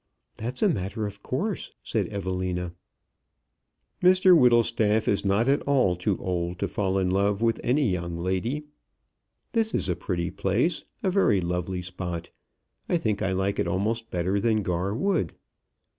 "That's a matter of course," said Evelina. "Mr Whittlestaff is not at all too old to fall in love with any young lady. This is a pretty place, a very lovely spot. I think I like it almost better than Gar Wood."